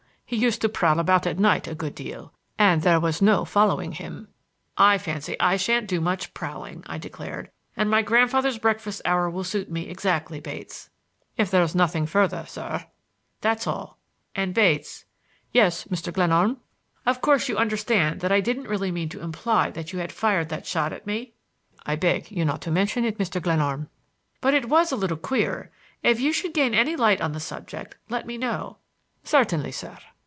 He used to prowl about at night a good deal, and there was no following him." "I fancy I shan't do much prowling," I declared. "And my grandfather's breakfast hour will suit me exactly, Bates." "If there's nothing further, sir—" "That's all;—and Bates—" "Yes, Mr. Glenarm." "Of course you understand that I didn't really mean to imply that you had fired that shot at me?" "I beg you not to mention it, Mr. Glenarm." "But it was a little queer. If you should gain any light on the subject, let me know." "Certainly, sir."